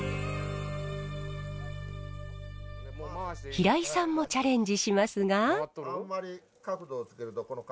平井さんもチャレンジしますが。